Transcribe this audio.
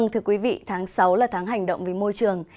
tháng sáu là tháng hành động vì môi trường